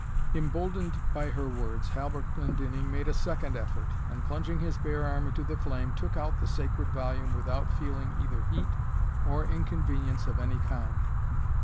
Imboldened by her words, Halbert Glendinning made a second effort, and, plunging his bare arm into the flame, took out the sacred volume without feeling either heat or inconvenience of any kind.